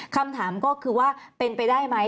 คำถามก็คือว่าเป็นไปได้ไหม